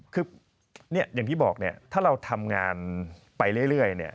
คืออย่างที่บอกถ้าเราทำงานไปเรื่อย